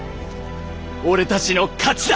俺たちの勝ちだ！